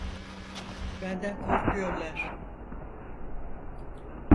Benden korkuyorlar.